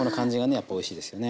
やっぱおいしいですよね。